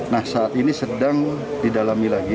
nah saat ini sedang didalami lagi